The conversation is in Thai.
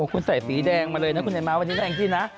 โอ้คุณใส่ปีแดงมาเลยนะคุณแดงมาวันนี้แดงที่น่ะ